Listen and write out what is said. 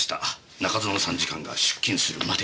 中園参事官が出勤するまで。